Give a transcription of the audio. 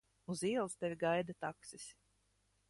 Uz ielas tevi gaida taksis.